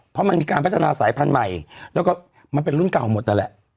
เพราะมันมีการพัฒนาสายพันธุ์ใหม่แล้วก็มันเป็นรุ่นเก่าหมดนั่นแหละ